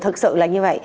thật sự là như vậy